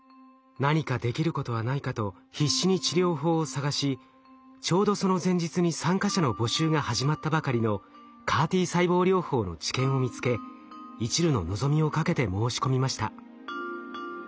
何かできることはないかと必死に治療法を探しちょうどその前日に参加者の募集が始まったばかりのＣＡＲ−Ｔ細胞療法の治験を見つけいちるの望みをかけて申し込みました。